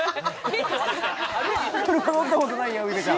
車乗ったことないんやウイカちゃん